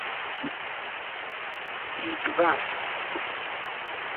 دیدرس